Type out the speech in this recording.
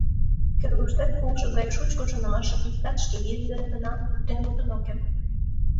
— Кӧргыштет улшо гай шучко шонымашым иктат шке вийже дене гына поктен луктын ок керт.